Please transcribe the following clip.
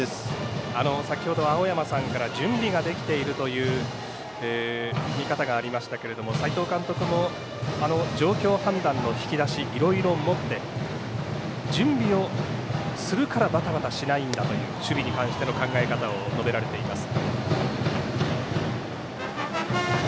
先ほど青山さんから準備ができているという見方がありましたけれども斎藤監督も状況判断の引き出しいろいろもって準備をするからバタバタしないんだという守備に関しての考え方を述べられています。